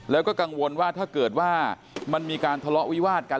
แล้วก็กังวลว่าถ้าเกิดว่ามันมีการทะเลาะวิวาดกัน